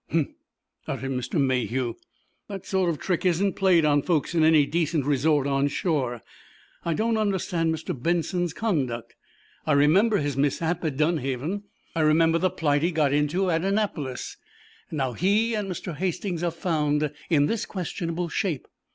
"Humph!" uttered Mr. Mayhew. "That sort of trick isn't played on folks in any decent resort on shore. I don't understand Mr. Benson's conduct. I remember his mishap at Dunhaven. I remember the plight he got into at Annapolis; and now he and Mr. Hastings are found in this questionable shape.